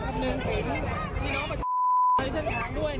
คือคือเราไม่ได้ประกาศแล้วนะครับให้พี่น้องประชาชนเนี่ย